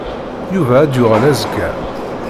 Yuba ad d-yuɣal azekka.